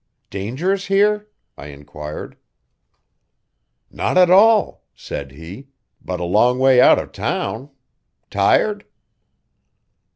'Dangerous here?' I enquired. 'Not at all,' said he, 'but a long way out of town tired?